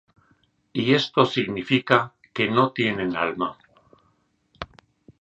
Y esto significa que no tienen alma".